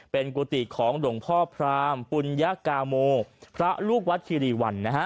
เป็นกุฏิของดวงพ่อพระมปุญกามโมพระลูกวัดคีรีวัณ